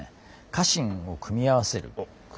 「家臣を組み合わせる」。